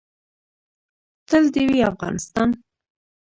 تل دې وي افغانستان؟